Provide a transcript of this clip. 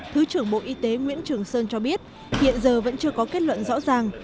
thứ trưởng bộ y tế nguyễn trường sơn cho biết hiện giờ vẫn chưa có kết luận rõ ràng